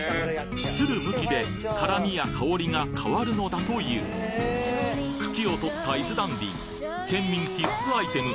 擦る向きで辛みや香りが変わるのだという茎を取った伊豆ダンディー県民必須アイテム